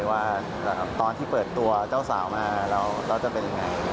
ว่าตอนที่เปิดตัวเจ้าสาวมาแล้วจะเป็นยังไง